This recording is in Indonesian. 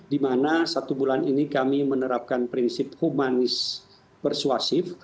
di mana satu bulan ini kami menerapkan prinsip humanis persuasif